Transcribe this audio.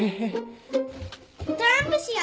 トランプしよう。